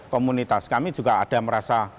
komunitas kami juga ada yang merasa